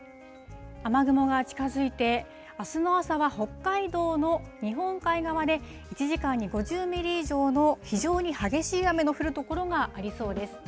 雨雲が近づいて、あすの朝は北海道の日本海側で１時間に５０ミリ以上の非常に激しい雨の降る所がありそうです。